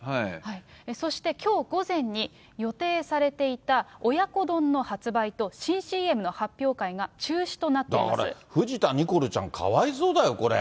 そしてきょう午前に予定されていた親子丼の発売と新ＣＭの発これ、藤田ニコルちゃん、かわいそうだよ、これ。